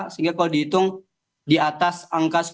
sehingga kalau dihitung di atas angka sepuluh